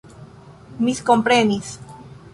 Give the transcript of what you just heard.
miskomprenis